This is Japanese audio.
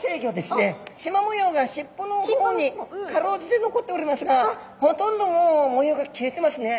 しま模様がしっぽの方にかろうじて残っておりますがほとんどもう模様が消えてますね。